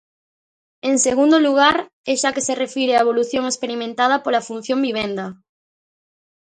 En segundo lugar, e xa que se refire á evolución experimentada pola función vivenda.